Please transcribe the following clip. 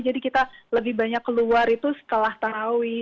jadi kita lebih banyak keluar itu setelah tarawi